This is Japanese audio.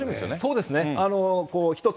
そうですね、ひとつ